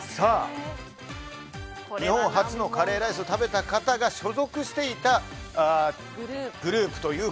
日本発のカレーライスを食べた方が所属しているグループという。